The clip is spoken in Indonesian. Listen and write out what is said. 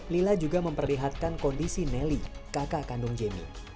lila juga memperlihatkan kondisi nelly kakak kandung jemmy